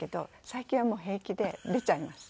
最近はもう平気で出ちゃいます。